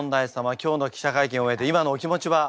今日の記者会見を終えて今のお気持ちは？